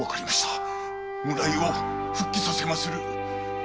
村井を復帰させまする。